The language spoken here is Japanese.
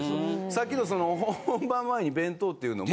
さっきのその本番前に弁当っていうのも。